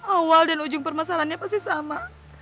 awal dan ujung permasalahannya pasti sama